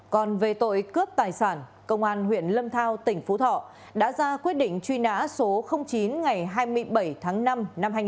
còn về tội cướp tài sản công an huyện lâm thao tỉnh phú thọ đã ra quyết định truy nã số chín ngày hai mươi bảy tháng năm năm hai nghìn một mươi ba